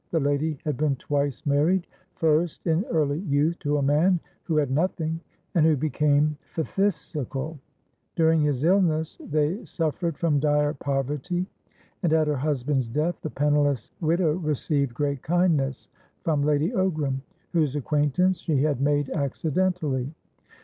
The lady had been twice married, first in early youth to a man who had nothing, and who became phthisical; during his illness they suffered from dire poverty and, at her husband's death, the penniless widow received great kindness from Lady Ogram, whose acquaintance she had made accidentally.